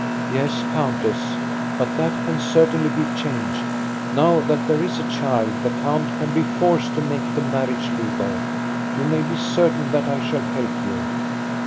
" Yes, countess ; but that can certainly be changed. Now that there is a child, the count can be forced to make the marriage legal. You may be certain that I shall help you